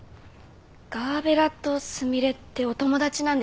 ガーベラとスミレってお友達なんですかね？